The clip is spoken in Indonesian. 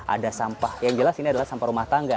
ada sampah yang jelas ini adalah sampah rumah tangga